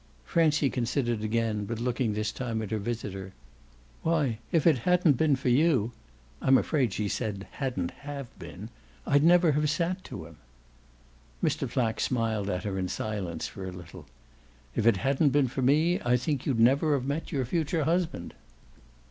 Francie considered again, but looking this time at her visitor. "Why if it hadn't been for you " I'm afraid she said "hadn't have been" "I'd never have sat to him." Mr. Flack smiled at her in silence for a little. "If it hadn't been for me I think you'd never have met your future husband."